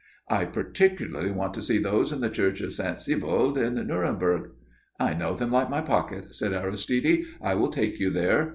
"I particularly want to see those in the church of St. Sebald in Nuremberg." "I know them like my pocket," said Aristide. "I will take you there.